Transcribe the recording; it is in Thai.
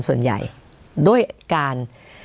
ส่วนใหญ่ด้วยการ